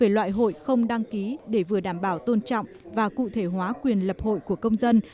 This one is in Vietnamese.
một mươi loại hội không đăng ký để vừa đảm bảo tôn trọng và cụ thể hóa quyền lập hội của công dân